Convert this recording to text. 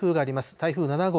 台風７号。